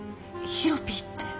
ヒロピーって。